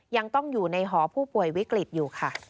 ยังต้องอยู่ในหอผู้ป่วยวิกฤตอยู่ค่ะ